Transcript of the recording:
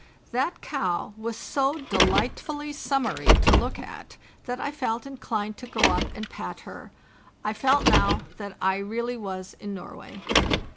That cow was so delight fully summery to look at that I felt inclined to go up and pat her; I felt now that I really was in Norway.